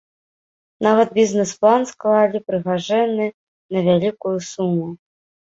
Нават бізнэс-план склалі прыгажэнны на вялікую суму.